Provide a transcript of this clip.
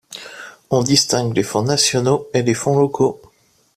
On distingue les fonds nationaux et les fonds locaux.